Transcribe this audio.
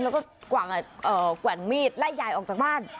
แล้วก็แกว่งมีดไล่ยายออกจากบ้าน